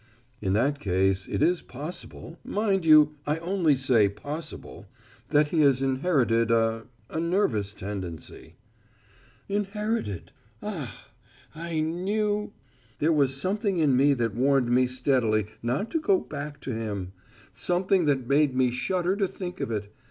"In that case it is possible, mind you I only say possible, that he has inherited a a nervous tendency." "Inherited, ah, I knew. There was something in me that warned me steadily not to go back to him. Something that made me shudder to think of it.